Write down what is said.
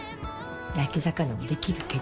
焼き魚もできるけど。